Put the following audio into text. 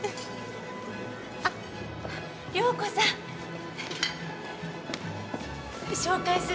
あっ涼子さん！紹介するわ。